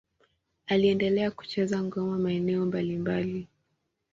Aliendelea kucheza ngoma maeneo mbalimbali.